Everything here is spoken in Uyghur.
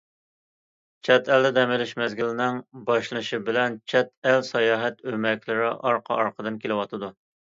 چەت ئەلدە دەم ئېلىش مەزگىللىرىنىڭ باشلىنىشى بىلەن، چەت ئەل ساياھەت ئۆمەكلىرى ئارقا- ئارقىدىن كېلىۋاتىدۇ.